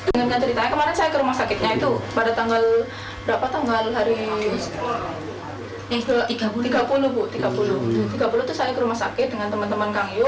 dengan ceritanya kemarin saya ke rumah sakitnya itu pada tanggal tiga puluh saya ke rumah sakit dengan teman teman kang yu